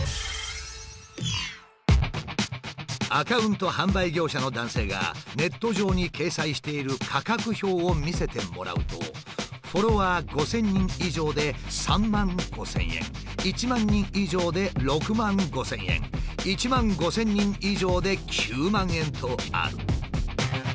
アカウント販売業者の男性がネット上に掲載している価格表を見せてもらうとフォロワー５，０００人以上で３万５，０００円１万人以上で６万５，０００円１万５，０００人以上で９万円とある。